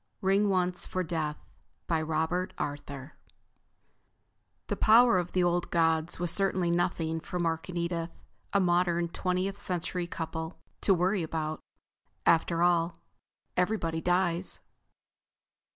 RING ONCE FOR DEATH BY ROBERT ARTHUR Illustrator: Ernie Barth The power of the old gods was certainly nothing for Mark and Edith—a modern, twentieth century couple—to worry about. After all—everybody dies!